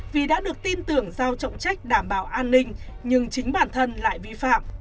vì đã được tin tưởng giao trọng trách đảm bảo an ninh nhưng chính bản thân lại vi phạm